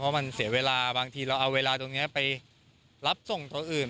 เพราะมันเสียเวลาบางทีเราเอาเวลาตรงนี้ไปรับส่งตัวอื่น